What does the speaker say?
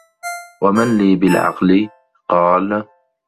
وَمَنْ لِي بِالْعَقْلِ ؟ قَالَ